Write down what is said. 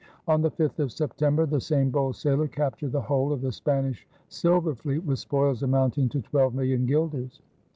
On the 5th of September the same bold sailor captured the whole of the Spanish silver fleet with spoils amounting to twelve million guilders.